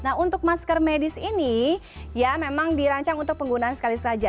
nah untuk masker medis ini ya memang dirancang untuk penggunaan sekali saja